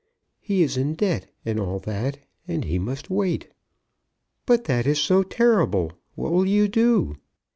He is in debt, and all that; and he must wait." "But that is so terrible. What will you do?"